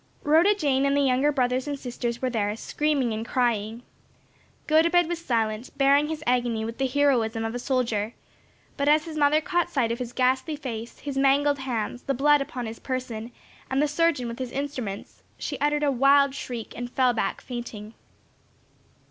Rhoda Jane and the younger brothers and sisters were there, screaming and crying. Gotobed was silent, bearing his agony with the heroism of a soldier, but as his mother caught sight of his ghastly face, his mangled hands, the blood upon his person, and the surgeon with his instruments, she uttered a wild shriek and fell back fainting.